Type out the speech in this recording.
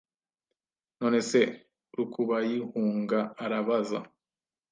None se Rukubayihunga arabaza